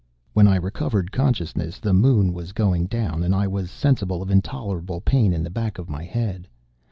When I recovered consciousness, the Moon was going down, and I was sensible of intolerable pain in the back of my head.